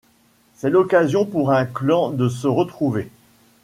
C'est l'occasion pour un clan de se retrouver.